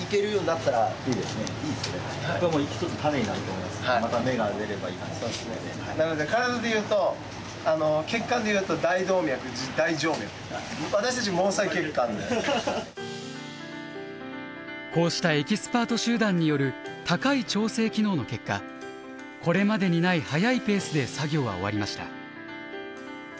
なので体で言うとこうしたエキスパート集団による高い調整機能の結果これまでにない速いペースで作業は終わりました。